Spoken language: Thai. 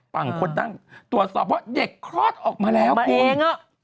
ฝั่งคนนั่งตรวจสอบว่าเด็กคลอดออกมาแล้วคุณ